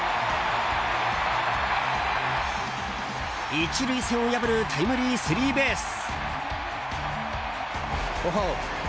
１塁線を破るタイムリースリーベース。